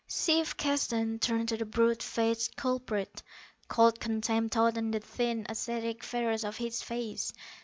Chief Keston turned to the brute faced culprit. Cold contempt tautened the thin, ascetic features of his face.